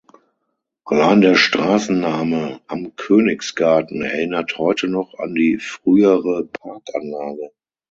Allein der Straßenname "Am Königsgarten" erinnert heute noch an die frühere Parkanlage.